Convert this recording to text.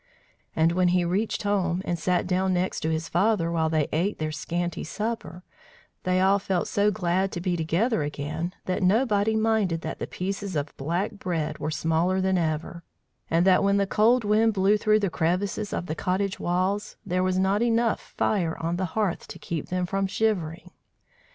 And when he reached home, and sat down next to his father while they ate their scanty supper, they all felt so glad to be together again that nobody minded that the pieces of black bread were smaller than ever, and that when the cold wind blew through the crevices of the cottage walls, there was not enough fire on the hearth to keep them from shivering.